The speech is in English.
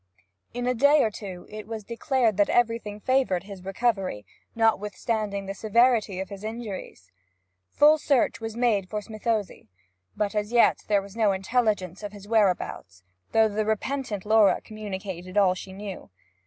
In a day or two it was declared that everything favoured his recovery, notwithstanding the severity of his injuries. Full search was made for Smithozzi, but as yet there was no intelligence of his whereabouts, though the repentant Laura communicated all she knew.